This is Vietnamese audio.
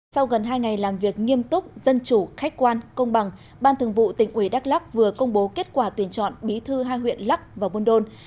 sau gần hai ngày làm việc nghiêm túc dân chủ khách quan công bằng ban thường vụ tỉnh ủy đắk lắc vừa công bố kết quả tuyển chọn bí thư hai huyện lắk và buôn đôn